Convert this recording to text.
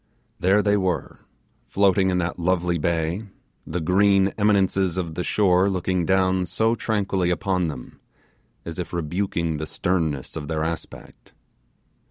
There they were, floating in that lovely bay, the green eminences of the shore looking down so tranquilly upon them, as if rebuking the sternness of their aspect.